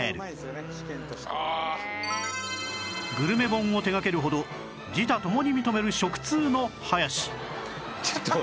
グルメ本を手掛けるほど自他共に認めるちょっと！